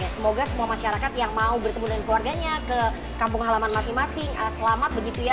semoga semua masyarakat yang mau bertemu dengan keluarganya ke kampung halaman masing masing selamat begitu ya